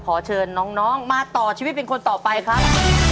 ขอเชิญน้องมาต่อชีวิตเป็นคนต่อไปครับ